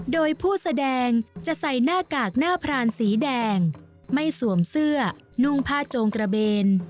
โดยผู้แสดงจะใส่หน้ากากหน้าพรานสีแดงไม่สวมเสื้อนุ่งผ้าโจงกระเบน